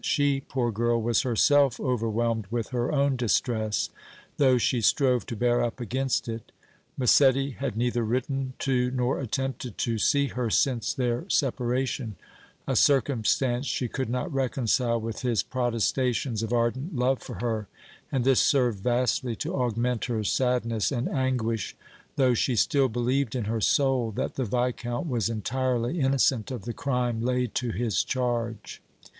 She, poor girl, was herself overwhelmed with her own distress, though she strove to bear up against it. Massetti had neither written to nor attempted to see her since their separation, a circumstance she could not reconcile with his protestations of ardent love for her, and this served vastly to augment her sadness and anguish, though she still believed in her soul that the Viscount was entirely innocent of the crime laid to his charge.